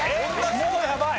もうやばい。